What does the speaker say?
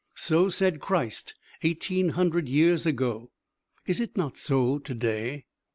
So said Christ eighteen hundred years ago; is it not so to day?